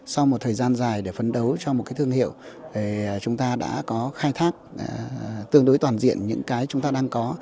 sau một thời gian dài để phấn đấu cho một cái thương hiệu chúng ta đã có khai thác tương đối toàn diện những cái chúng ta đang có